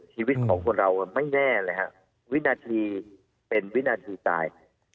ชีวิตของคนเราไม่แน่เลยฮะวินาทีเป็นวินาทีตาย